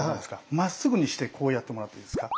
まっすぐにしてこうやってもらっていいですか。